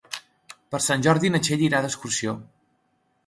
Per Sant Jordi na Txell irà d'excursió.